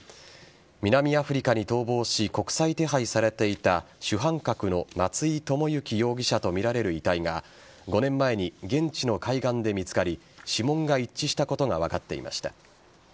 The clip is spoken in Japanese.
南アフリカに逃亡し国際手配されていた主犯格の松井知行容疑者とみられる遺体が５年前に現地の海岸で見つかり指紋が一致したことが分かっていました。